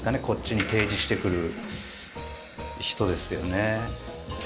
こっちに提示してくる人ですよね。